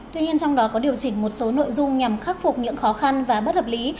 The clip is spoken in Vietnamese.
tuy nhiên trong đó có điều chỉnh một số nội dung nhằm khắc phục những khó khăn và bất hợp lý